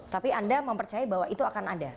tapi anda mempercaya bahwa itu akan ada